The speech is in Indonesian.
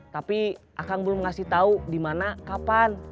tapi akang belum ngasih tau dimana kapan